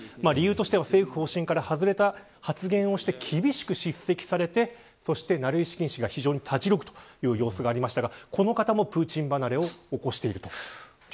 理由としては政府方針から外れた発言をして厳しく叱責されてそしてナルイシキン氏が非常に、たじろぐという様子がありましたがこの方もプーチン離れを起こしていると。